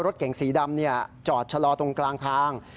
รถเก๋งสีดำจอดชะลอตรงกลางทาง